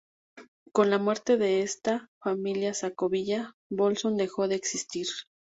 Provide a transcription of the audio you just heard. Con la muerte de esta, la familia Sacovilla-Bolsón dejó de existir.